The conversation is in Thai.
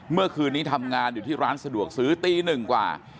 เมื่อมงานนี้ทำงานอยู่ที่ร้านสะดวกศือตี๑กว่า